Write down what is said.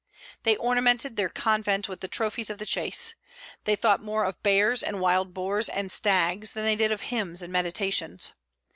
They ornamented their convent with the trophies of the chase. They thought more of bears and wild boars and stags than they did of hymns and meditations.